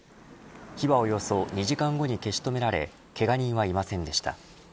火はおよそ２時間後に消し止められけが人はいませんでした。